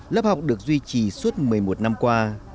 lớp học được duy trì suốt một mươi một năm qua